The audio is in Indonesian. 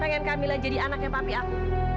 pengen kamila jadi anaknya papi aku